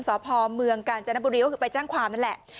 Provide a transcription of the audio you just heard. สพเมืองกาญจนบุรีก็คือไปแจ้งความนั่นแหละ